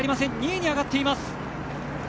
２位に上がっています。